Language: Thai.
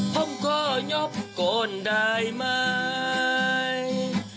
ผมขอยอบก่อนได้ไหม